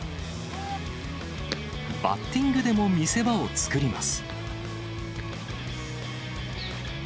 バッティングでも見せ場を作ります。